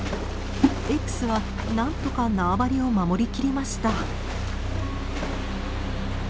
Ｘは何とか縄張りを守りきりました。